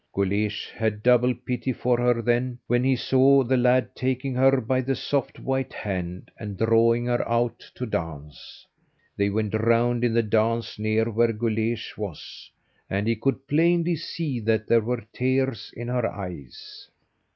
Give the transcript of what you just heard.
Guleesh had double pity for her then, when he saw the lad taking her by the soft white hand, and drawing her out to dance. They went round in the dance near where Guleesh was, and he could plainly see that there were tears in her eyes.